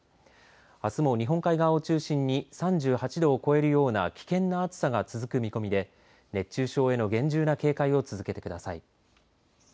あすも日本海側を中心に３８度を超えるような危険な暑さが続く見込みで熱中症への厳重な警戒を続けてください。